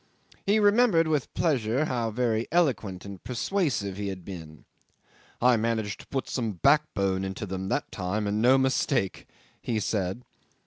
He remembered with pleasure how very eloquent and persuasive he had been. "I managed to put some backbone into them that time, and no mistake," he said.